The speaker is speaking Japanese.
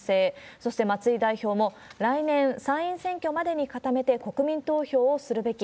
そして松井代表も来年、参院選挙までに固めて、国民投票をするべき。